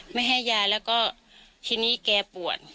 ไม่ให้ยาแล้วก็ทีนี้แกปวด